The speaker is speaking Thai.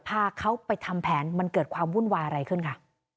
พาเขาไปทำแผนมันเกิดความวุ่นวายอะไรขึ้นค่ะ